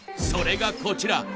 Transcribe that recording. それがこちら。